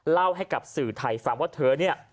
เล่าให้กับสื่อไทยฟังว่าเธอเนี่ย